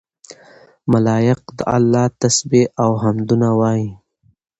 ملائک د الله تسبيح او حمدونه وايي